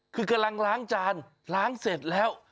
คือกำลังล้างจานล้างเสร็จแล้ว